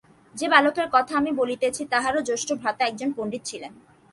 যে বালকের কথা আমি বলিতেছি, তাঁহার জ্যেষ্ঠ ভ্রাতা একজন পণ্ডিত ছিলেন।